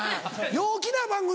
陽気な番組。